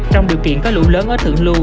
trong điều kiện có lũ lớn ở thượng lưu